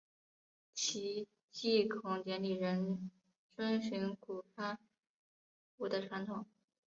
其祭孔典礼仍遵循古八佾舞的传统。